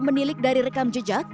menilik dari rekam jejak